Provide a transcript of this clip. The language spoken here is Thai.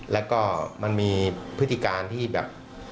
แล้วก็มันมีพฤติการที่แบบ